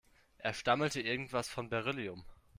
Er stammelte irgendwas von Beryllium.